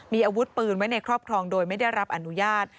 มีอาวุธปืนไว้ในครอบครองโดยไม่ได้รับอนุญาต